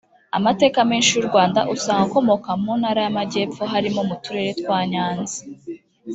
Amateka menshi y’u Rwanda usanga akomoka mu ntara y’amajyepfo harimo mu turere twa Nyanza